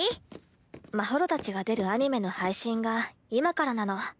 まほろたちが出るアニメの配信が今からなの。